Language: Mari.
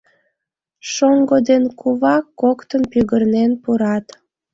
Шоҥго ден кува коктын пӱгырнен пурат.